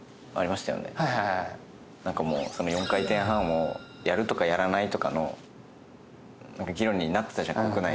４回転半をやるとかやらないとかの議論になってたじゃん国内で。